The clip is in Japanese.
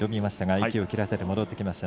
息を切らして戻ってきました。